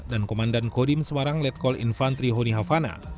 dan komandan kodim semarang letkol infantri honi havana